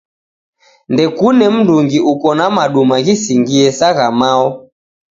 Ndekune mndungi uko na maduma ghisingie sa gha mao.